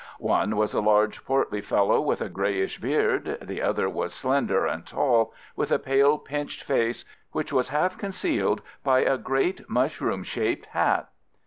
One was a large portly fellow with a greyish beard. The other was slender and tall, with a pale pinched face, which was half concealed by a great mushroom shaped hat.